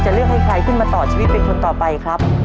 เลือกให้ใครขึ้นมาต่อชีวิตเป็นคนต่อไปครับ